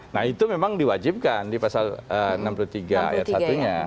nah itu memang diwajibkan di pasal enam puluh tiga ayat satu nya